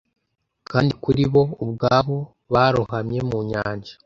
Kandi kuri bo ubwabo barohamye mu nyanja!